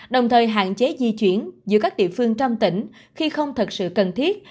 đồng thời hạn chế di chuyển giữa các địa phương trong tỉnh khi không thật sự cần thiết